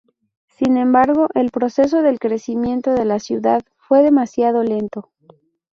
Sin embargo el proceso del crecimiento de la ciudad fue demasiado lento.